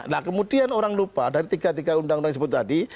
nah kemudian orang lupa dari tiga tiga undang undang yang disebut tadi